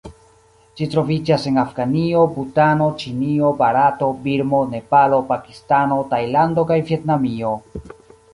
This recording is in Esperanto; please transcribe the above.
Ĝi troviĝas en Afganio, Butano, Ĉinio, Barato, Birmo, Nepalo, Pakistano, Tajlando kaj Vjetnamio.